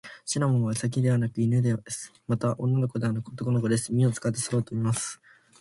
シナモンはウサギではなく犬です。また、女の子ではなく男の子です。耳を使って空を飛びます。